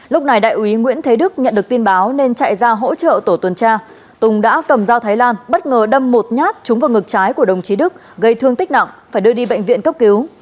lúc này đại úy nguyễn thế đức nhận được tin báo nên chạy ra hỗ trợ tổ tuần tra tùng đã cầm dao thái lan bất ngờ đâm một nhát trúng vào ngực trái của đồng chí đức gây thương tích nặng phải đưa đi bệnh viện cấp cứu